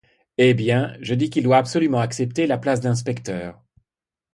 Eh bien, je dis qu’il doit absolument accepter la place d’inspecteur.